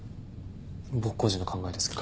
僕個人の考えですけど。